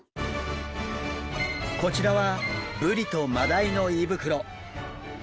こちらはブリとマダイの胃袋。